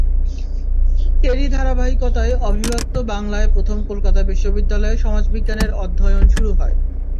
এরই ধারাবাহিকতায় অবিভক্ত বাংলায় প্রথম কলকাতা বিশ্ববিদ্যালয়ে সমাজবিজ্ঞানের অধ্যয়ন শুরু হয়।